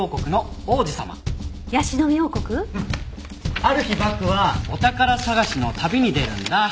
ある日バクはお宝探しの旅に出るんだ。